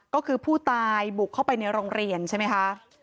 ก็คือผู้ตายบุกเข้าไปในโรงเรียนใช่ไหมคะ